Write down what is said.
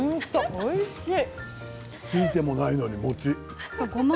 おいしい。